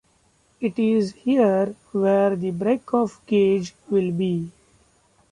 It is here where the break-of-gauge will be.